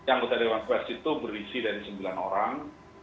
anggota dewan pers itu berisi dari sembilan orang